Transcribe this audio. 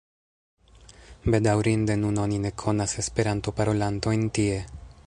Bedaŭrinde nun oni ne konas Esperanto-parolantojn tie.